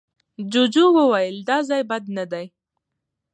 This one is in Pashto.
جوجو وويل، دا ځای بد نه دی.